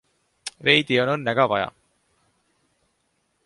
Veidi on õnne ka vaja.